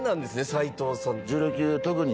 斉藤さん。